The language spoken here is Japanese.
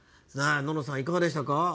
暖乃さん、いかがでしたか？